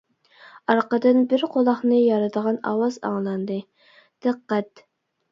ئارقىدىن بىر قۇلاقنى يارىدىغان ئاۋاز ئاڭلاندى:-دىققەت!